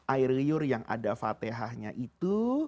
air liur yang ada fatihahnya itu